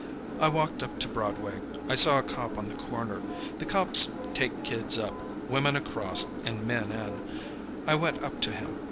I walked up to Broadway. I saw a cop on the corner. The cops take kids up, women across, and men in. I went up to him.